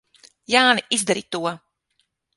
Jāni, izdari to!